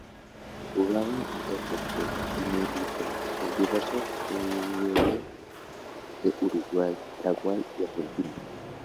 Jugaba de portero y militó en diversos clubes de Uruguay, Paraguay y Argentina.